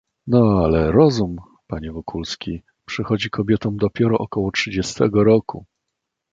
"No, ale rozum, panie Wokulski, przychodzi kobietom dopiero około trzydziestego roku..."